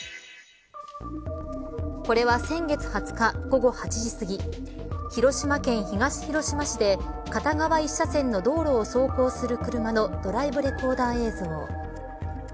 これは先月２０日、午後８時すぎ広島県東広島市で片側１車線の道路を走行する車のドライブレコーダー映像。